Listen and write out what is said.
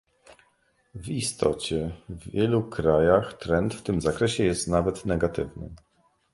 W istocie w wielu krajach trend w tym zakresie jest nawet negatywny